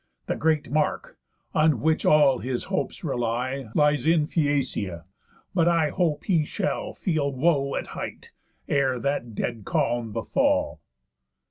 The great mark, on which all his hopes rely, Lies in Phæacia. But I hope he shall Feel woe at height, ere that dead calm befall."